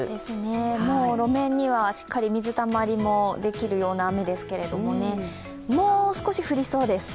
もう路面にはしっかり水たまりもできるような雨ですけどもう少し降りそうです。